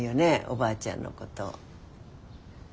おばあちゃんのこと。